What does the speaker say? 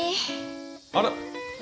あら！